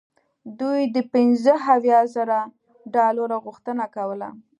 دوی د پنځه اویا زره ډالرو غوښتنه کوله.